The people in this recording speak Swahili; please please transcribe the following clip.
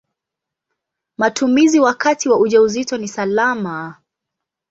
Matumizi wakati wa ujauzito ni salama.